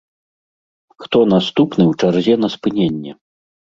Хто наступны ў чарзе на спыненне?